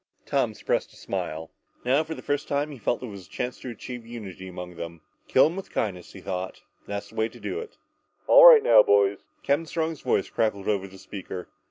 Tom suppressed a smile. Now, for the first time, he felt that there was a chance to achieve unity among them. Kill him with kindness, he thought, that's the way to do it. "All right, boys!" Captain Strong's voice crackled over the speaker.